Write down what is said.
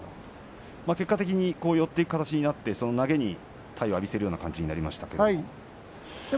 結果的に寄っていく形なって投げに体を浴びせるような形になりました。